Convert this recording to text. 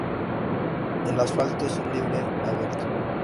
El asfalto es un libro abierto.